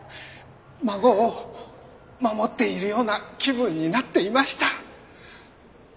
孫を守っているような気分になっていました。